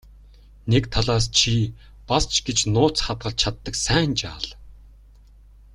Нэг талаас чи бас ч гэж нууц хадгалж чаддаг сайн жаал.